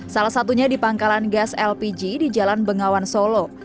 salah satunya di pangkalan gas lpg di jalan bengawan solo